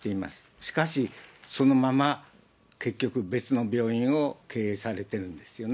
しかしそのまま、結局、別の病院を経営されてるんですよね。